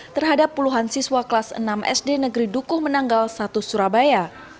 terhadap puluhan siswa kelas enam sd negeri dukuh menanggal satu surabaya